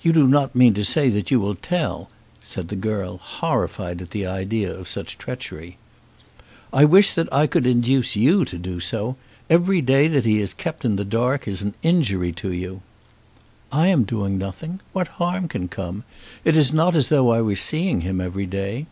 "You do not mean to say that you will tell?" said the girl, horrified at the idea of such treachery. "I wish that I could induce you to do so. Every day that he is kept in the dark is an injury to you." "I am doing nothing. What harm can come? It is not as though I were seeing him every day."